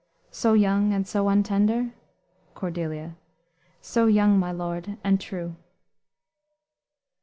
So young and so untender? "Cordelia. So young, my lord, and true."